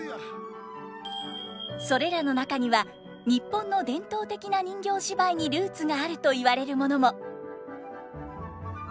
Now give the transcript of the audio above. それらの中には日本の伝統的な人形芝居にルーツがあると言われるものも。